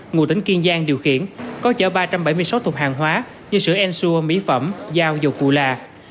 ngụ tính kiên giang điều khiển có chở ba trăm bảy mươi sáu thùng hàng hóa như sữa ensure mỹ phẩm dao dầu cụ lạ